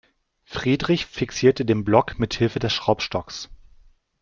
Friedrich fixierte den Block mithilfe des Schraubstocks.